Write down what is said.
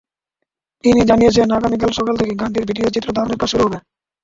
তিনি জানিয়েছেন, আগামীকাল সকাল থেকে গানটির ভিডিওচিত্র ধারণের কাজ শুরু হবে।